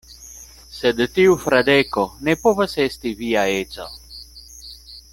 Sed tiu Fradeko ne povas esti via edzo.